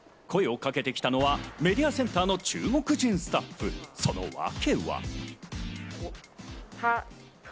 声をかけてきたのはメディアセンターの中国人スタッフ、そのわけは。